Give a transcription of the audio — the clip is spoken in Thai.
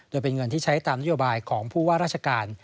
โดยเป็นเงินที่ใช้ตามนโยบายของผู้ว่าราชการ